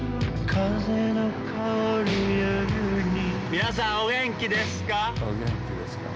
皆さんお元気ですか？